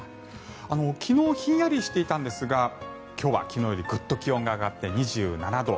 昨日、ひんやりしていたので今日は昨日よりぐっと気温が上がって２７度。